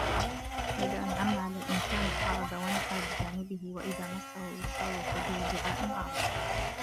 وَإِذا أَنعَمنا عَلَى الإِنسانِ أَعرَضَ وَنَأى بِجانِبِهِ وَإِذا مَسَّهُ الشَّرُّ فَذو دُعاءٍ عَريضٍ